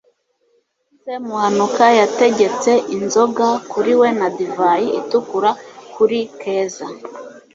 semuhanuka yategetse inzoga kuri we na divayi itukura kuri keza